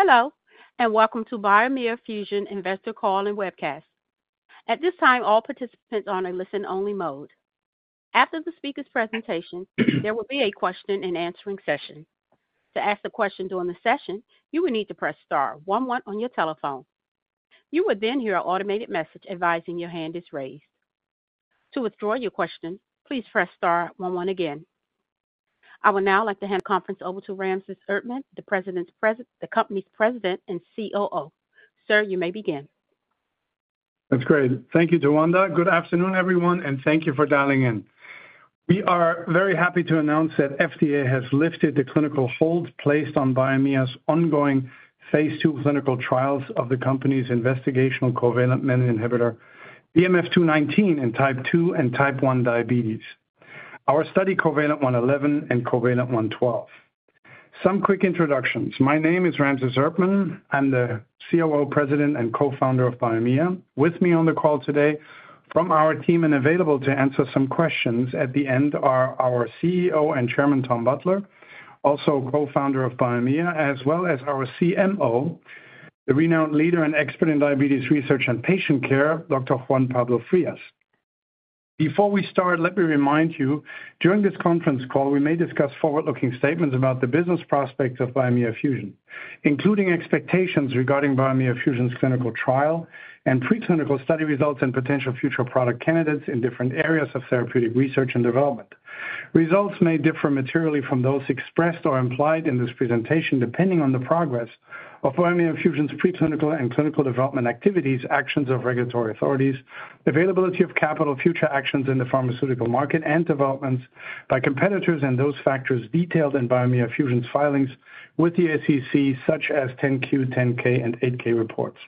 Hello, and welcome to Biomea Fusion Investor Call and Webcast. At this time, all participants are on a listen-only mode. After the speaker's presentation, there will be a question and answering session. To ask a question during the session, you will need to press star one one on your telephone. You will then hear an automated message advising your hand is raised. To withdraw your question, please press star one one again. I would now like to hand the conference over to Ramses Erdtmann, the company's President and COO. Sir, you may begin. That's great. Thank you, Dawanda. Good afternoon, everyone, and thank you for dialing in. We are very happy to announce that FDA has lifted the clinical hold placed on Biomea Fusion's ongoing phase 2 clinical trials of the company's investigational covalent menin inhibitor, BMF-219, in type 2 and type 1 diabetes. Our study, COVALENT-111 and COVALENT-112. Some quick introductions. My name is Ramses Erdtmann. I'm the COO, President, and co-founder of Biomea Fusion. With me on the call today from our team and available to answer some questions at the end are our CEO and Chairman, Tom Butler, also co-founder of Biomea Fusion, as well as our CMO, the renowned leader and expert in diabetes research and patient care, Dr. Juan Pablo Frias. Before we start, let me remind you, during this conference call, we may discuss forward-looking statements about the business prospects of Biomea Fusion, including expectations regarding Biomea Fusion's clinical trial and pre-clinical study results and potential future product candidates in different areas of therapeutic research and development. Results may differ materially from those expressed or implied in this presentation, depending on the progress of Biomea Fusion's pre-clinical and clinical development activities, actions of regulatory authorities, availability of capital, future actions in the pharmaceutical market, and developments by competitors, and those factors detailed in Biomea Fusion's filings with the SEC, such as 10-Q, 10-K, and 8-K reports.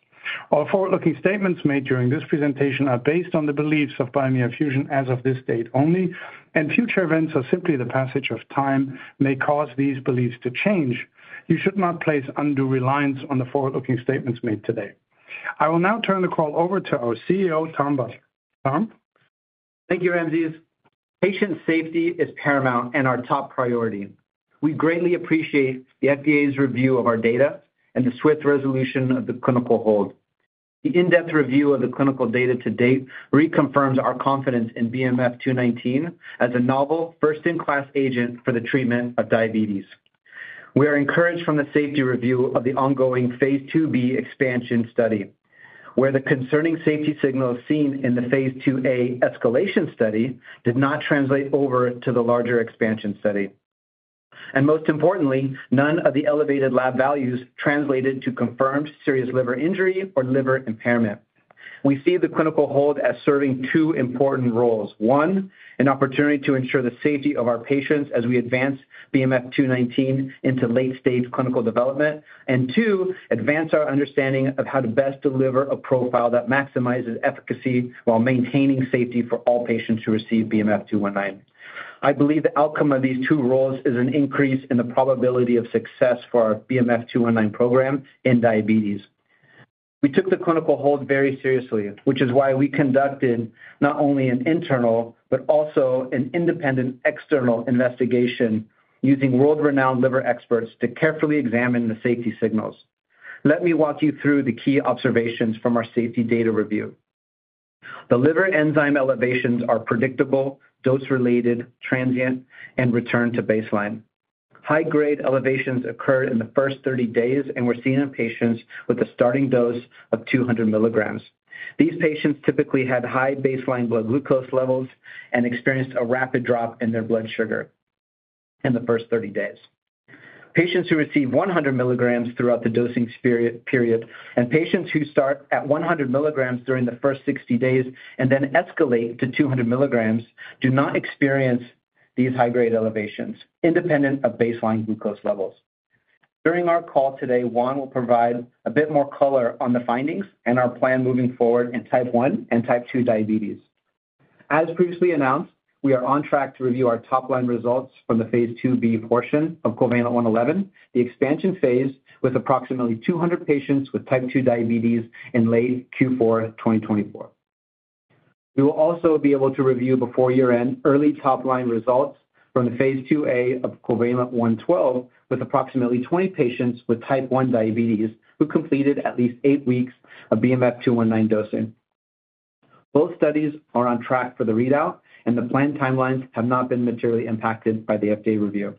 All forward-looking statements made during this presentation are based on the beliefs of Biomea Fusion as of this date only, and future events or simply the passage of time may cause these beliefs to change. You should not place undue reliance on the forward-looking statements made today. I will now turn the call over to our CEO, Tom Butler. Tom? Thank you, Ramses. Patient safety is paramount and our top priority. We greatly appreciate the FDA's review of our data and the swift resolution of the clinical hold. The in-depth review of the clinical data to date reconfirms our confidence in BMF-219 as a novel first-in-class agent for the treatment of diabetes. We are encouraged from the safety review of the ongoing phase 2b expansion study, where the concerning safety signal seen in the phase 2a escalation study did not translate over to the larger expansion study. And most importantly, none of the elevated lab values translated to confirmed serious liver injury or liver impairment. We see the clinical hold as serving two important roles. One, an opportunity to ensure the safety of our patients as we advance BMF-219 into late-stage clinical development. Two, advance our understanding of how to best deliver a profile that maximizes efficacy while maintaining safety for all patients who receive BMF-219. I believe the outcome of these two roles is an increase in the probability of success for our BMF-219 program in diabetes. We took the clinical hold very seriously, which is why we conducted not only an internal, but also an independent external investigation using world-renowned liver experts to carefully examine the safety signals. Let me walk you through the key observations from our safety data review. The liver enzyme elevations are predictable, dose-related, transient, and return to baseline. High-grade elevations occurred in the first 30 days and were seen in patients with a starting dose of 200 milligrams. These patients typically had high baseline blood glucose levels and experienced a rapid drop in their blood sugar in the first 30 days. Patients who received 100 milligrams throughout the dosing period, and patients who start at 100 milligrams during the first 60 days and then escalate to 200 milligrams, do not experience these high-grade elevations, independent of baseline glucose levels. During our call today, Juan will provide a bit more color on the findings and our plan moving forward in type 1 and type 2 diabetes. As previously announced, we are on track to review our top-line results from the phase 2b portion of COVALENT-111, the expansion phase with approximately 200 patients with type 2 diabetes in late Q4 2024. We will also be able to review before year-end early top-line results from the phase 2a of COVALENT-112, with approximately 20 patients with type 1 diabetes who completed at least 8 weeks of BMF-219 dosing. Both studies are on track for the readout, and the planned timelines have not been materially impacted by the FDA review.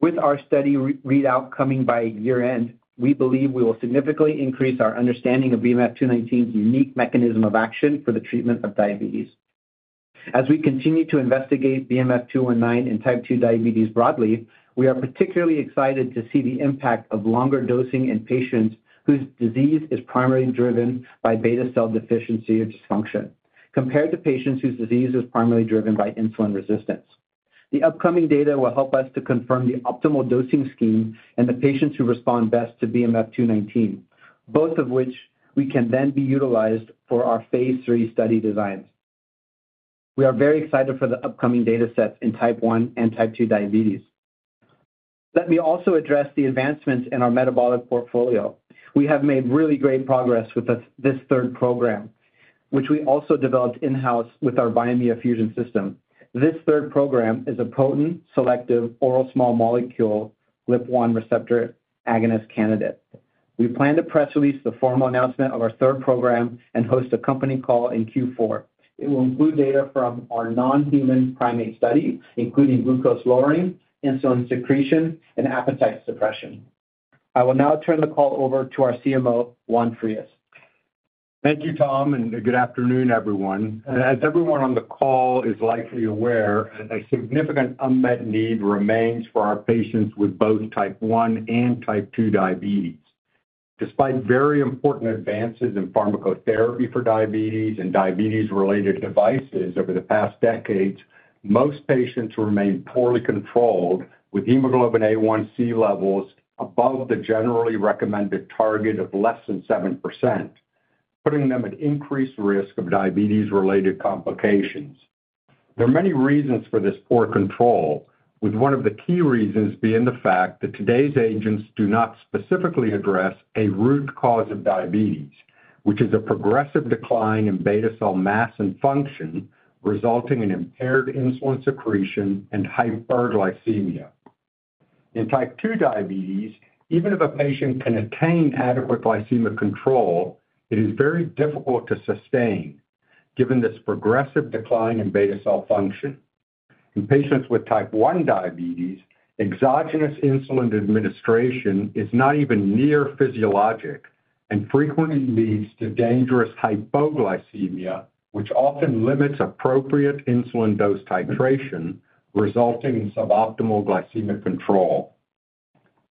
With our study readout coming by year-end, we believe we will significantly increase our understanding of BMF-219's unique mechanism of action for the treatment of diabetes. As we continue to investigate BMF-219 and type 2 diabetes broadly, we are particularly excited to see the impact of longer dosing in patients whose disease is primarily driven by beta cell deficiency or dysfunction, compared to patients whose disease is primarily driven by insulin resistance. The upcoming data will help us to confirm the optimal dosing scheme and the patients who respond best to BMF-219, both of which we can then be utilized for our phase 3 study designs. We are very excited for the upcoming datasets in Type 1 and Type 2 diabetes. Let me also address the advancements in our metabolic portfolio. We have made really great progress with this third program, which we also developed in-house with our Biomea Fusion system. This third program is a potent, selective oral small molecule GLP-1 receptor agonist candidate. We plan to press release the formal announcement of our third program and host a company call in Q4. It will include data from our non-human primate study, including glucose lowering, insulin secretion, and appetite suppression. I will now turn the call over to our CMO, Juan Frias. Thank you, Tom, and good afternoon, everyone. As everyone on the call is likely aware, a significant unmet need remains for our patients with both type one and type two diabetes. Despite very important advances in pharmacotherapy for diabetes and diabetes-related devices over the past decades, most patients remain poorly controlled with hemoglobin A1c levels above the generally recommended target of less than 7%, putting them at increased risk of diabetes-related complications. There are many reasons for this poor control, with one of the key reasons being the fact that today's agents do not specifically address a root cause of diabetes, which is a progressive decline in beta cell mass and function, resulting in impaired insulin secretion and hyperglycemia. In type two diabetes, even if a patient can attain adequate glycemic control, it is very difficult to sustain given this progressive decline in beta cell function. In patients with type 1 diabetes, exogenous insulin administration is not even near physiologic and frequently leads to dangerous hypoglycemia, which often limits appropriate insulin dose titration, resulting in suboptimal glycemic control.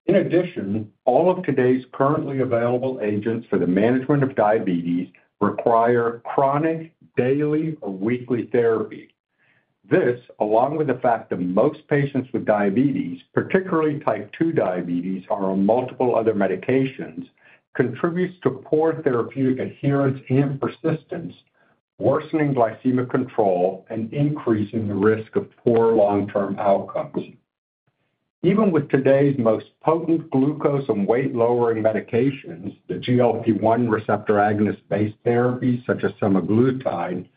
In addition, all of today's currently available agents for the management of diabetes require chronic, daily, or weekly therapy. This, along with the fact that most patients with diabetes, particularly type 2 diabetes, are on multiple other medications, contributes to poor therapeutic adherence and persistence, worsening glycemic control and increasing the risk of poor long-term outcomes. Even with today's most potent glucose and weight-lowering medications, the GLP-1 receptor agonist-based therapy, such as semaglutide,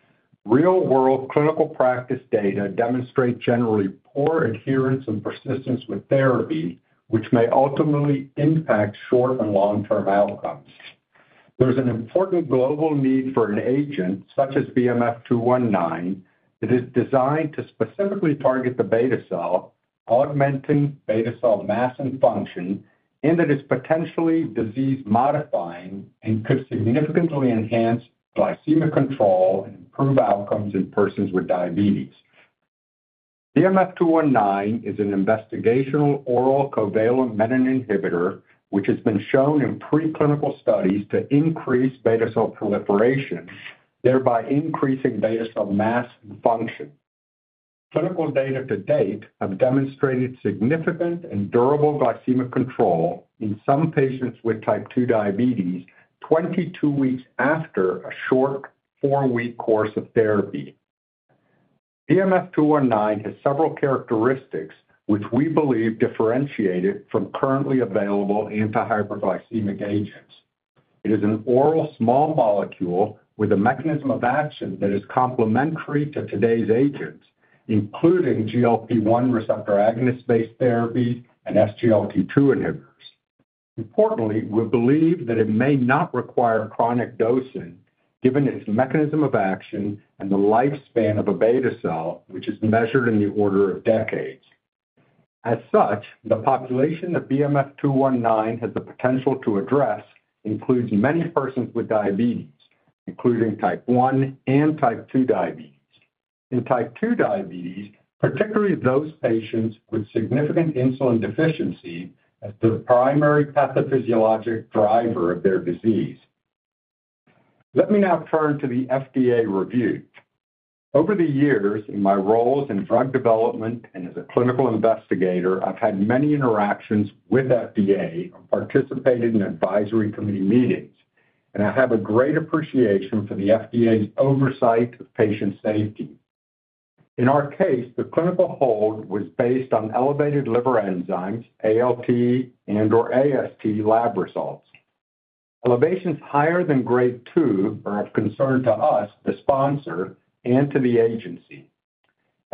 real-world clinical practice data demonstrate generally poor adherence and persistence with therapy, which may ultimately impact short and long-term outcomes. There's an important global need for an agent, such as BMF-219, that is designed to specifically target the beta cell, augmenting beta cell mass and function, and that is potentially disease-modifying and could significantly enhance glycemic control and improve outcomes in persons with diabetes. BMF-219 is an investigational oral covalent Menin inhibitor, which has been shown in preclinical studies to increase beta cell proliferation, thereby increasing beta cell mass and function. Clinical data to date have demonstrated significant and durable glycemic control in some patients with type 2 diabetes twenty-two weeks after a short four-week course of therapy. BMF-219 has several characteristics which we believe differentiate it from currently available antihyperglycemic agents. It is an oral small molecule with a mechanism of action that is complementary to today's agents, including GLP-1 receptor agonist-based therapy and SGLT2 inhibitors. Importantly, we believe that it may not require chronic dosing, given its mechanism of action and the lifespan of a beta cell, which is measured in the order of decades. As such, the population of BMF-219 has the potential to address includes many persons with diabetes, including type one and type two diabetes. In type two diabetes, particularly those patients with significant insulin deficiency as the primary pathophysiologic driver of their disease. Let me now turn to the FDA review. Over the years, in my roles in drug development and as a clinical investigator, I've had many interactions with FDA and participated in advisory committee meetings, and I have a great appreciation for the FDA's oversight of patient safety. In our case, the clinical hold was based on elevated liver enzymes, ALT and/or AST lab results. Elevations higher than grade 2 are of concern to us, the sponsor, and to the agency.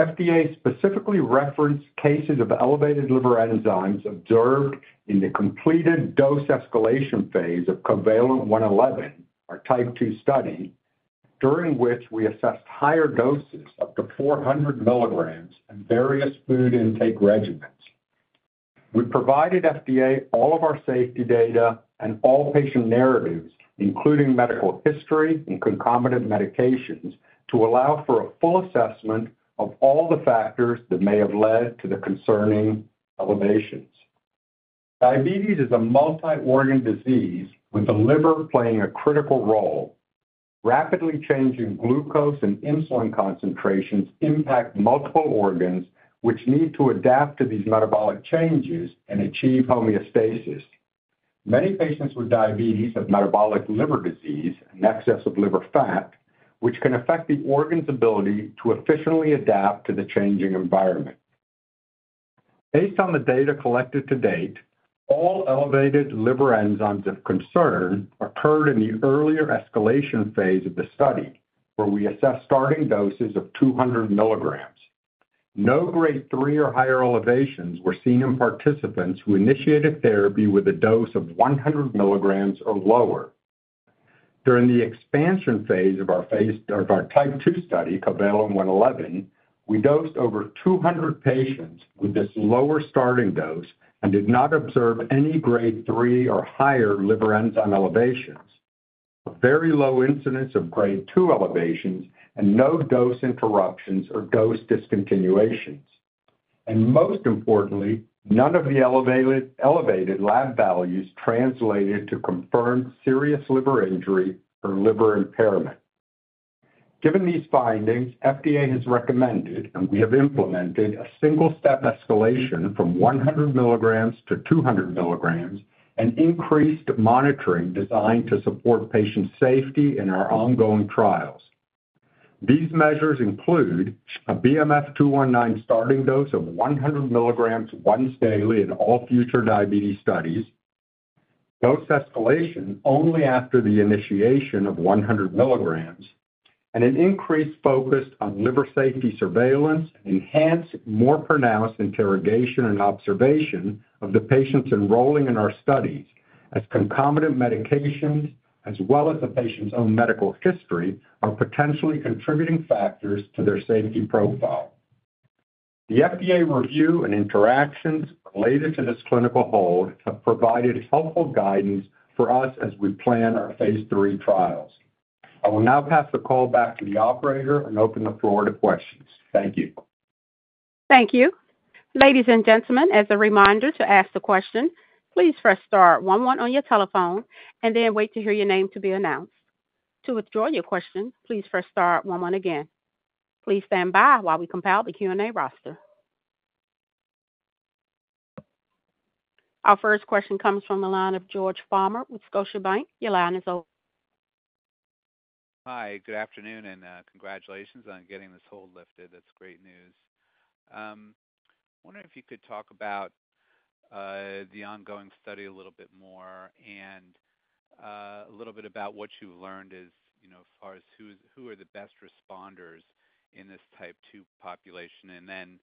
FDA specifically referenced cases of elevated liver enzymes observed in the completed dose escalation phase of COVALENT-111, our type 2 study, during which we assessed higher doses up to 400 milligrams and various food intake regimens. We provided FDA all of our safety data and all patient narratives, including medical history and concomitant medications, to allow for a full assessment of all the factors that may have led to the concerning elevations. Diabetes is a multi-organ disease with the liver playing a critical role. Rapidly changing glucose and insulin concentrations impact multiple organs, which need to adapt to these metabolic changes and achieve homeostasis. Many patients with diabetes have metabolic liver disease, an excess of liver fat, which can affect the organ's ability to efficiently adapt to the changing environment. Based on the data collected to date, all elevated liver enzymes of concern occurred in the earlier escalation phase of the study, where we assessed starting doses of 200 milligrams. No grade 3 or higher elevations were seen in participants who initiated therapy with a dose of 100 milligrams or lower. During the expansion phase of our type 2 study, COVALENT-111, we dosed over 200 patients with this lower starting dose and did not observe any grade 3 or higher liver enzyme elevations. A very low incidence of grade 2 elevations and no dose interruptions or dose discontinuations. Most importantly, none of the elevated, elevated lab values translated to confirmed serious liver injury or liver impairment. Given these findings, FDA has recommended, and we have implemented, a single-step escalation from 100 milligrams to 200 milligrams, an increased monitoring designed to support patient safety in our ongoing trials. These measures include a BMF-219 starting dose of 100 milligrams once daily in all future diabetes studies, dose escalation only after the initiation of 100 milligrams, and an increased focus on liver safety surveillance, enhanced, more pronounced interrogation and observation of the patients enrolling in our studies, as concomitant medications, as well as the patient's own medical history, are potentially contributing factors to their safety profile. The FDA review and interactions related to this clinical hold have provided helpful guidance for us as we plan our phase 3 trials. I will now pass the call back to the operator and open the floor to questions. Thank you. Thank you. Ladies and gentlemen, as a reminder to ask the question, please press star one one on your telephone and then wait to hear your name to be announced. To withdraw your question, please press star one one again. Please stand by while we compile the Q&A roster. Our first question comes from the line of George Farmer with Scotiabank. Your line is open. Hi, good afternoon, and congratulations on getting this hold lifted. That's great news. I wonder if you could talk about the ongoing study a little bit more and a little bit about what you learned as, you know, far as who are the best responders in this type 2 population, and then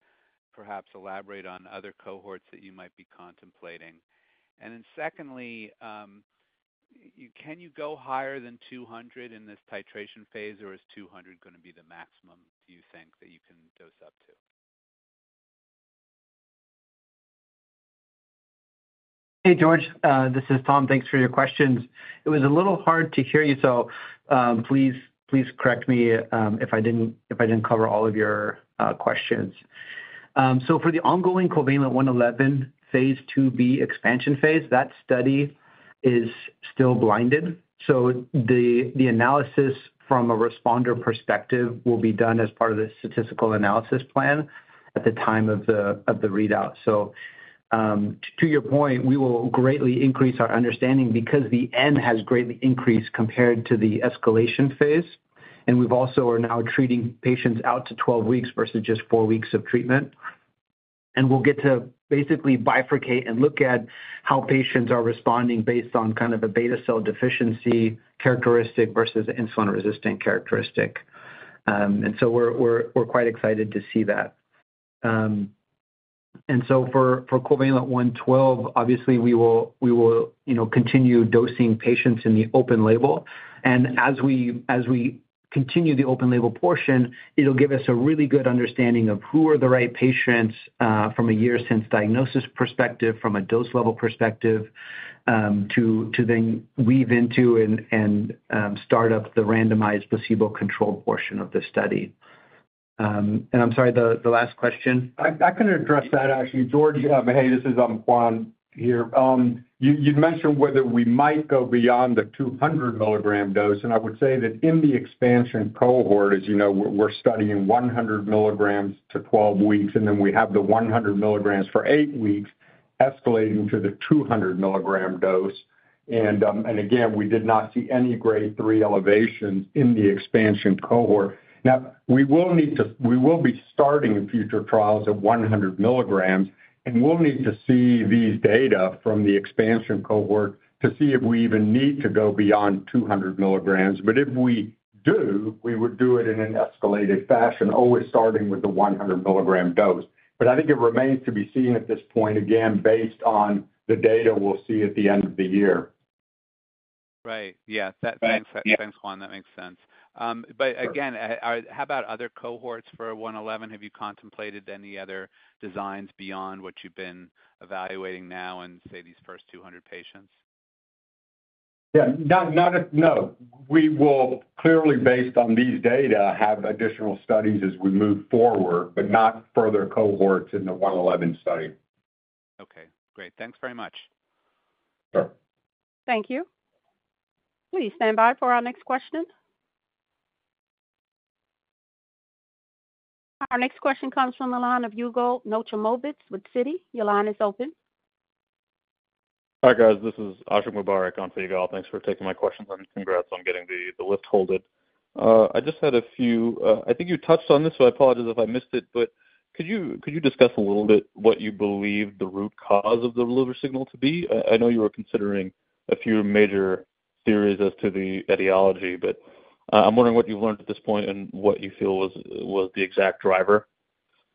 perhaps elaborate on other cohorts that you might be contemplating. And then secondly, can you go higher than 200 in this titration phase, or is 200 gonna be the maximum, do you think, that you can dose up to? Hey, George, this is Tom. Thanks for your questions. It was a little hard to hear you, so please correct me if I didn't cover all of your questions. So for the ongoing COVALENT-111, phase 2b expansion phase, that study is still blinded. So the analysis from a responder perspective will be done as part of the statistical analysis plan at the time of the readout. So to your point, we will greatly increase our understanding because the N has greatly increased compared to the escalation phase, and we've also are now treating patients out to 12 weeks versus just 4 weeks of treatment. And we'll get to basically bifurcate and look at how patients are responding based on kind of a beta cell deficiency characteristic versus insulin resistant characteristic. And so we're quite excited to see that. And so for COVALENT-112, obviously, we will, you know, continue dosing patients in the open label. And as we continue the open label portion, it'll give us a really good understanding of who are the right patients from a years since diagnosis perspective, from a dose level perspective to then weave into and start up the randomized placebo-controlled portion of the study. And I'm sorry, the last question? I can address that, actually. George, hey, this is Juan here. You'd mentioned whether we might go beyond the 200-milligram dose, and I would say that in the expansion cohort, as you know, we're studying 100 milligrams to 12 weeks, and then we have the 100 milligrams for 8 weeks escalating to the 200-milligram dose. And again, we did not see any grade 3 elevations in the expansion cohort. Now, we will need to... We will be starting future trials at 100 milligrams, and we'll need to see these data from the expansion cohort to see if we even need to go beyond 200 milligrams. But if we do, we would do it in an escalated fashion, always starting with the 100-milligram dose. But I think it remains to be seen at this point, again, based on the data we'll see at the end of the year. Right. Yes, that-Right. Thanks, Juan. That makes sense. But again, how about other cohorts for one eleven? Have you contemplated any other designs beyond what you've been evaluating now in, say, these first 200 patients? We will clearly, based on these data, have additional studies as we move forward, but not further cohorts in the one eleven study. Okay, great. Thanks very much. Sure. Thank you. Please stand by for our next question. Our next question comes from the line of Yigal Nochomovitz with Citi. Your line is open. Hi, guys, this is Ashiq Mubarack on the call. Thanks for taking my questions, and congrats on getting the clinical hold lifted. I just had a few. I think you touched on this, so I apologize if I missed it, but could you discuss a little bit what you believe the root cause of the liver signal to be? I know you were considering a few major theories as to the etiology, but I'm wondering what you've learned at this point and what you feel was the exact driver.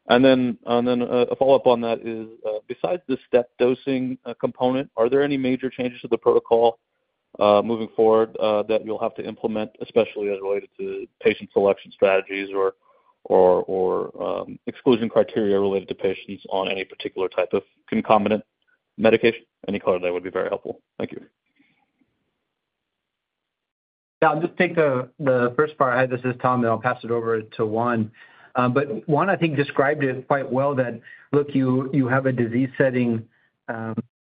And then, a follow-up on that is, besides the step dosing component, are there any major changes to the protocol moving forward that you'll have to implement, especially as related to patient selection strategies or exclusion criteria related to patients on any particular type of concomitant medication? Any color there would be very helpful. Thank you. Yeah. I'll just take the first part. Hi, this is Tom, and I'll pass it over to Juan. But Juan, I think described it quite well that, look, you have a disease setting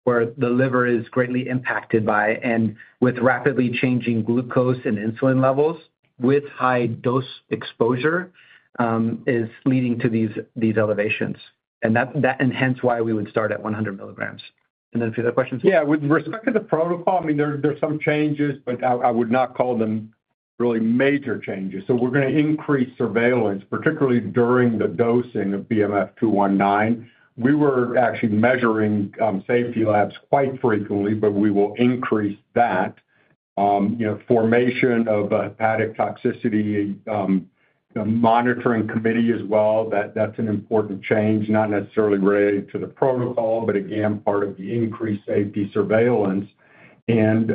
where the liver is greatly impacted by and with rapidly changing glucose and insulin levels, with high dose exposure is leading to these elevations. And that and hence why we would start at 100 milligrams. And then a few other questions? Yeah. With respect to the protocol, I mean, there are some changes, but I would not call them really major changes. So we're going to increase surveillance, particularly during the dosing of BMF-219. We were actually measuring safety labs quite frequently, but we will increase that. You know, formation of hepatotoxicity, the monitoring committee as well, that's an important change, not necessarily related to the protocol, but again, part of the increased safety surveillance. Then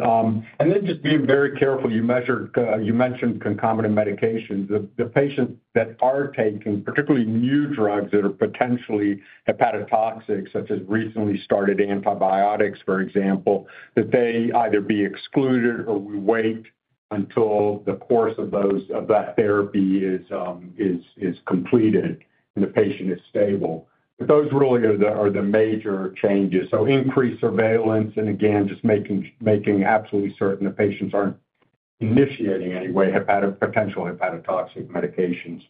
just being very careful, you mentioned concomitant medications. The patients that are taking, particularly new drugs that are potentially hepatotoxic, such as recently started antibiotics, for example, that they either be excluded or we wait until the course of that therapy is completed and the patient is stable. But those really are the major changes. So increased surveillance, and again, just making absolutely certain the patients aren't initiating any way, potential hepatotoxic medications,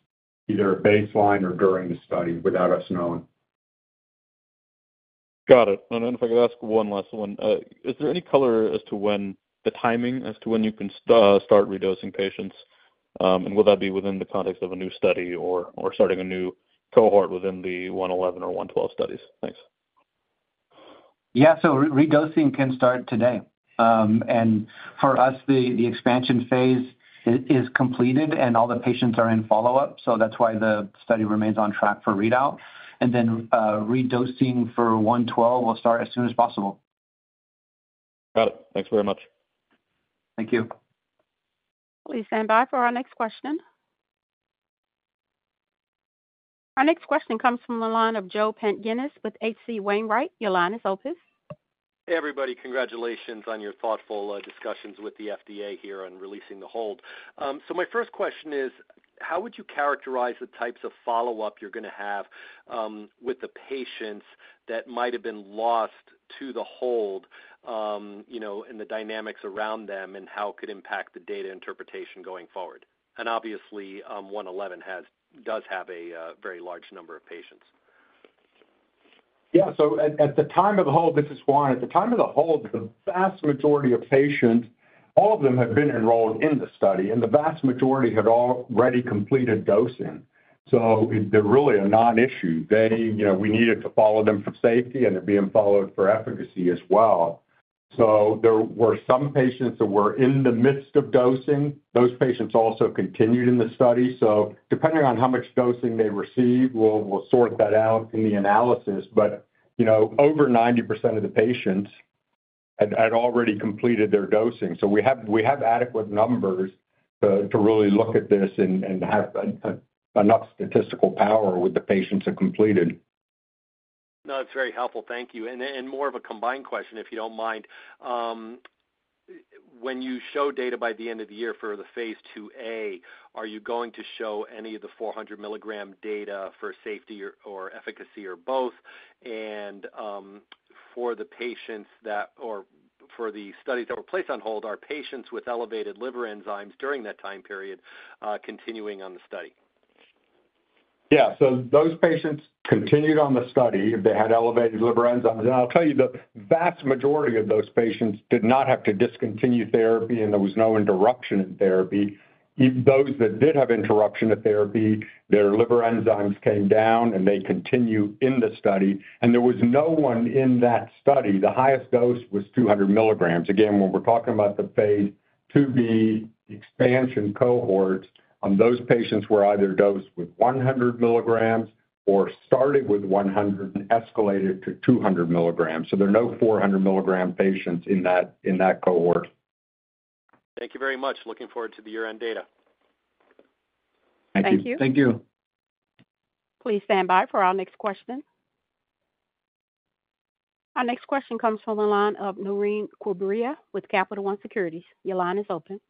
either at baseline or during the study without us knowing. Got it. And then if I could ask one last one. Is there any color as to when the timing as to when you can start redosing patients, and will that be within the context of a new study or starting a new cohort within the one eleven or one twelve studies? Thanks. Yeah. So redosing can start today. And for us, the expansion phase is completed, and all the patients are in follow-up, so that's why the study remains on track for readout. And then, redosing for 112 will start as soon as possible. Got it. Thanks very much. Thank you. Please stand by for our next question. Our next question comes from the line of Joe Pantginis with H.C. Wainwright. Your line is open. Hey, everybody. Congratulations on your thoughtful discussions with the FDA here on releasing the hold. So my first question is, how would you characterize the types of follow-up you're going to have with the patients that might have been lost to the hold, you know, and the dynamics around them and how it could impact the data interpretation going forward? And obviously, one eleven does have a very large number of patients. Yeah. So at the time of the hold, this is Juan. At the time of the hold, the vast majority of patients, all of them had been enrolled in the study, and the vast majority had already completed dosing. So they're really a non-issue. They, you know, we needed to follow them for safety, and they're being followed for efficacy as well. So there were some patients that were in the midst of dosing. Those patients also continued in the study, so depending on how much dosing they received, we'll sort that out in the analysis. But, you know, over 90% of the patients had already completed their dosing. So we have adequate numbers to really look at this and have enough statistical power with the patients who completed. No, that's very helpful. Thank you. And more of a combined question, if you don't mind. When you show data by the end of the year for the phase 2a, are you going to show any of the 400 milligram data for safety or efficacy, or both? And, for the studies that were placed on hold, are patients with elevated liver enzymes during that time period continuing on the study? Yeah. So those patients continued on the study if they had elevated liver enzymes. And I'll tell you, the vast majority of those patients did not have to discontinue therapy, and there was no interruption in therapy. Even those that did have interruption of therapy, their liver enzymes came down, and they continued in the study, and there was no one in that study. The highest dose was two hundred milligrams. Again, when we're talking about the phase 2b expansion cohorts, those patients were either dosed with one hundred milligrams or started with one hundred and escalated to two hundred milligrams, so there are no four hundred milligram patients in that cohort. Thank you very much. Looking forward to the year-end data. Thank you. Thank you. Please stand by for our next question. Our next question comes from the line of Naureen Quibria with Capital One Securities. Your line is open.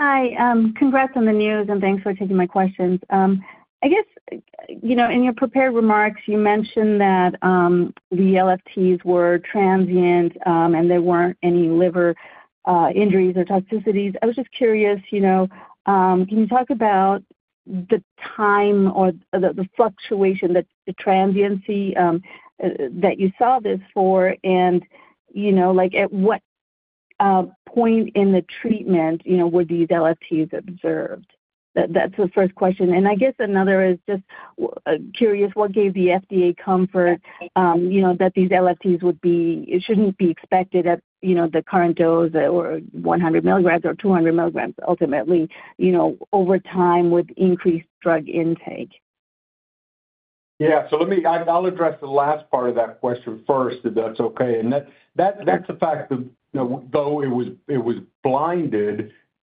Hi, congrats on the news, and thanks for taking my questions. I guess, you know, in your prepared remarks, you mentioned that, the LFTs were transient, and there weren't any liver, injuries or toxicities. I was just curious, you know, can you talk about the time or the, the fluctuation that the transiency, that you saw this for, and, you know, like, at what, point in the treatment, you know, were these LFTs observed? That's the first question. And I guess another is just, curious, what gave the FDA comfort, you know, that these LFTs would be, it shouldn't be expected at, you know, the current dose or one hundred milligrams or two hundred milligrams, ultimately, you know, over time with increased drug intake? Yeah. So let me... I'll address the last part of that question first, if that's okay, and that, that's the fact that, you know, though it was, it was blinded,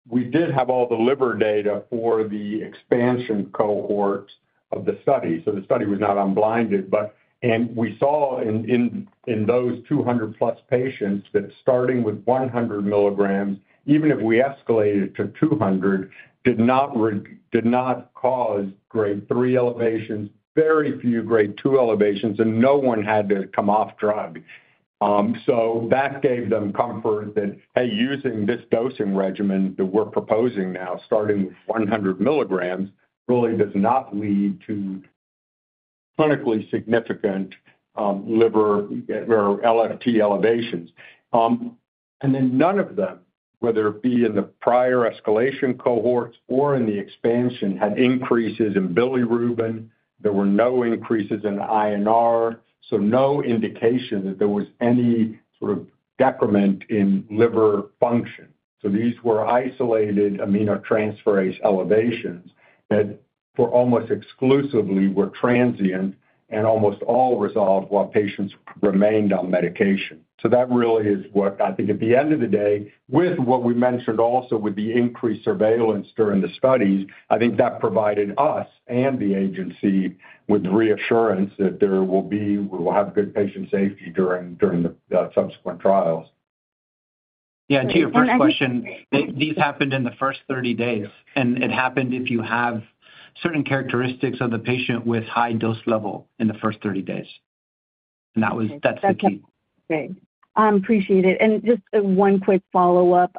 we did have all the liver data for the expansion cohort of the study. So the study was not unblinded. But, and we saw in those 200-plus patients that starting with 100 milligrams, even if we escalated to 200, did not cause grade three elevations, very few grade two elevations, and no one had to come off drug. So that gave them comfort that, hey, using this dosing regimen that we're proposing now, starting with 100 milligrams, really does not lead to clinically significant, liver or LFT elevations. And then none of them, whether it be in the prior escalation cohorts or in the expansion, had increases in bilirubin. There were no increases in INR, so no indication that there was any sort of decrement in liver function. So these were isolated aminotransferase elevations that were almost exclusively transient and almost all resolved while patients remained on medication. So that really is what I think at the end of the day, with what we mentioned also with the increased surveillance during the studies, I think that provided us and the agency with reassurance that we will have good patient safety during the subsequent trials. Yeah, and to your first question, these happened in the first thirty days, and it happened if you have certain characteristics of the patient with high dose level in the first thirty days. And that was, that's the key. Great. I appreciate it. And just one quick follow-up.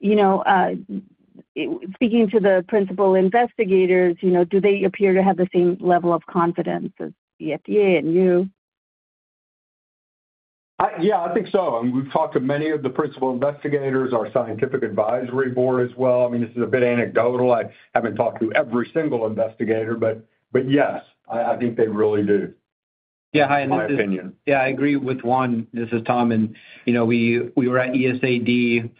You know, speaking to the principal investigators, you know, do they appear to have the same level of confidence as the FDA and you? Yeah, I think so. And we've talked to many of the principal investigators, our scientific advisory board as well. I mean, this is a bit anecdotal. I haven't talked to every single investigator, but yes, I think they really do. Yeah, I agree with Juan. In my opinion. Yeah, I agree with Juan. This is Tom, and you know, we were at EASD,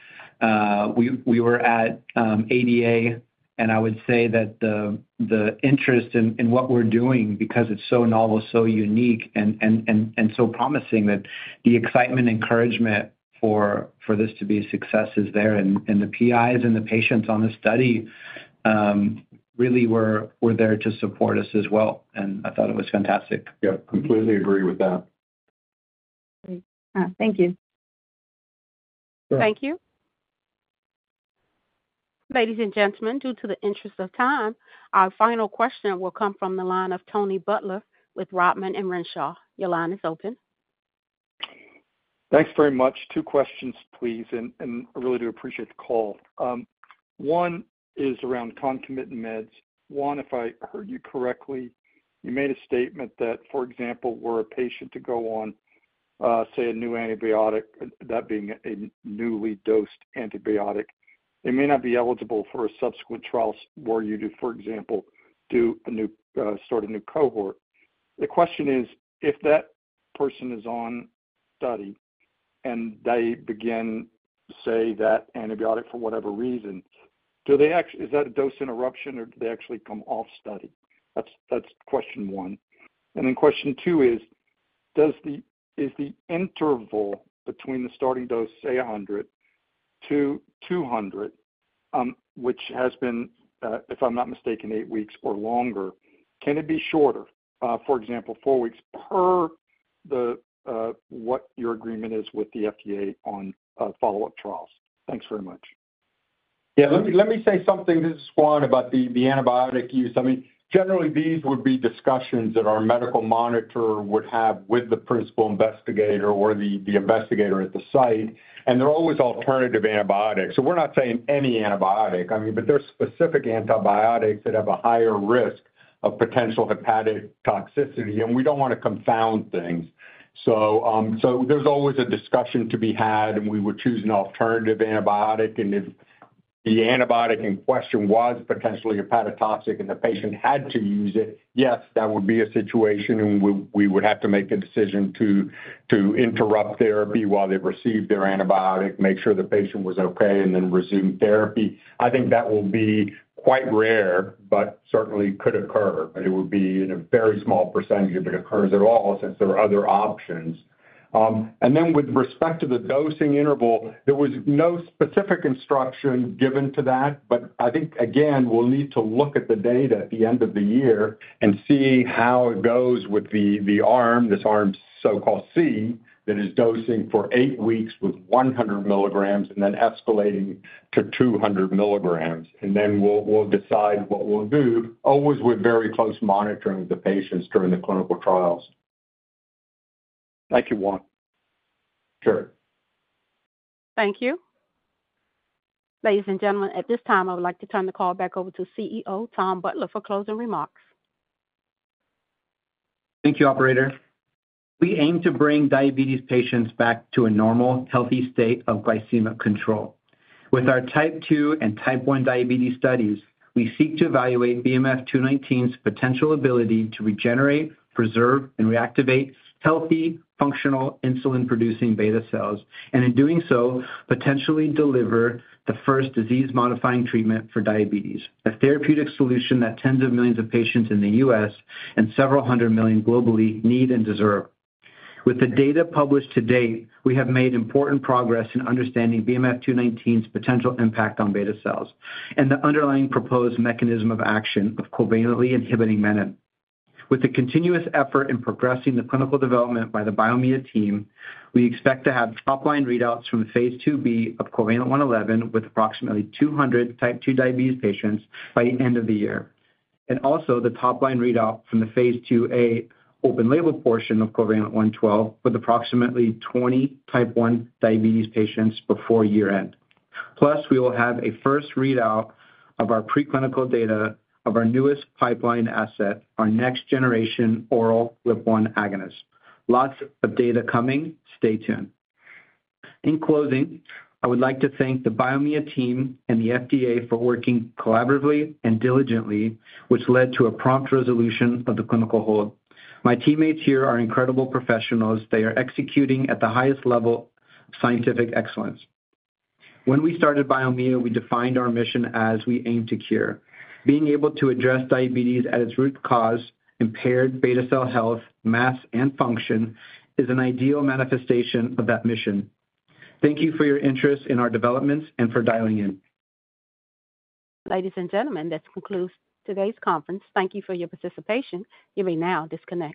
we were at ADA, and I would say that the interest in what we're doing because it's so novel, so unique and so promising, that the excitement, encouragement for this to be a success is there, and the PIs and the patients on this study really were there to support us as well, and I thought it was fantastic. Yeah, completely agree with that. Great. Thank you. Thank you. Ladies and gentlemen, in the interest of time, our final question will come from the line of Tony Butler with Rodman & Renshaw. Your line is open. Thanks very much. Two questions, please, and I really do appreciate the call. One is around concomitant meds. One, if I heard you correctly, you made a statement that, for example, were a patient to go on, say, a new antibiotic, that being a newly dosed antibiotic, they may not be eligible for a subsequent trial where you do, for example, do a new start a new cohort. The question is, if that person is on study and they begin, say, that antibiotic, for whatever reason, do they actually- is that a dose interruption or do they actually come off study? That's, that's question one. And then question two is, does the, is the interval between the starting dose, say a hundred to two hundred, which has been, if I'm not mistaken, eight weeks or longer, can it be shorter, for example, four weeks per the, what your agreement is with the FDA on, follow-up trials? Thanks very much. Yeah, let me say something. This is Juan about the antibiotic use. I mean, generally, these would be discussions that our medical monitor would have with the principal investigator or the investigator at the site, and they're always alternative antibiotics. So we're not saying any antibiotic. I mean, but there are specific antibiotics that have a higher risk of potential hepatic toxicity, and we don't want to confound things. So there's always a discussion to be had, and we would choose an alternative antibiotic. And if the antibiotic in question was potentially hepatotoxic and the patient had to use it, yes, that would be a situation where we would have to make a decision to interrupt therapy while they received their antibiotic, make sure the patient was okay, and then resume therapy. I think that will be quite rare, but certainly could occur. It would be in a very small percentage, if it occurs at all, since there are other options. And then with respect to the dosing interval, there was no specific instruction given to that, but I think, again, we'll need to look at the data at the end of the year and see how it goes with the arm, this arm, so-called C, that is dosing for eight weeks with 100 milligrams and then escalating to 200 milligrams. And then we'll decide what we'll do, always with very close monitoring of the patients during the clinical trials.... Thank you, Juan. Karen? Thank you. Ladies and gentlemen, at this time, I would like to turn the call back over to CEO, Tom Butler, for closing remarks. Thank you, operator. We aim to bring diabetes patients back to a normal, healthy state of glycemic control. With our Type 2 and Type 1 diabetes studies, we seek to evaluate BMF-219's potential ability to regenerate, preserve, and reactivate healthy, functional, insulin-producing beta cells, and in doing so, potentially deliver the first disease-modifying treatment for diabetes, a therapeutic solution that tens of millions of patients in the U.S. and several hundred million globally need and deserve. With the data published to date, we have made important progress in understanding BMF-219's potential impact on beta cells and the underlying proposed mechanism of action of covalently inhibiting menin. With the continuous effort in progressing the clinical development by the Biomea team, we expect to have top-line readouts from the phase 2b of COVALENT-111, with approximately 200 type 2 diabetes patients by the end of the year, and also the top-line readout from the phase 2a open-label portion of COVALENT-112, with approximately 20 type 1 diabetes patients before year-end. Plus, we will have a first readout of our preclinical data of our newest pipeline asset, our next-generation oral GLP-1 agonist. Lots of data coming. Stay tuned. In closing, I would like to thank the Biomea team and the FDA for working collaboratively and diligently, which led to a prompt resolution of the clinical hold. My teammates here are incredible professionals. They are executing at the highest level of scientific excellence. When we started Biomea, we defined our mission as we aim to cure. Being able to address diabetes at its root cause, impaired beta cell health, mass, and function, is an ideal manifestation of that mission. Thank you for your interest in our developments and for dialing in. Ladies and gentlemen, this concludes today's conference. Thank you for your participation. You may now disconnect.